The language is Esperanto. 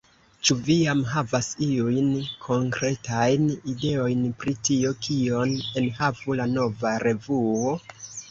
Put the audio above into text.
Ĉu vi jam havas iujn konkretajn ideojn pri tio, kion enhavu la nova revuo?